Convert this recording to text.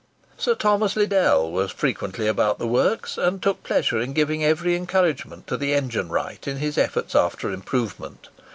Sir Thomas Liddell was frequently about the works, and took pleasure in giving every encouragement to the engine wright in his efforts after improvement.